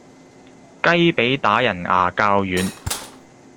雞脾打人牙較軟